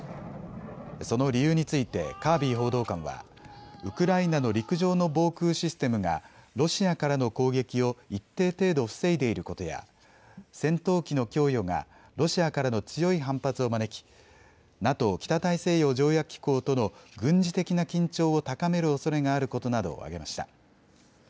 その理由についてカービー報道官はウクライナの陸上の防空システムがロシアからの攻撃を一定程度防いでいることや戦闘機の供与がロシアからの強い反発を招きＮＡＴＯ・北大西洋条約機構との軍事的な緊張を高めるおそれがあることなどを挙げました。